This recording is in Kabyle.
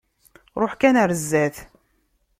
Ruḥ kan ɣer zzat.